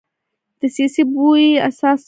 دسیسې بوی احساس کړ.